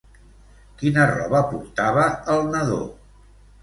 Quina roba portava el nadó?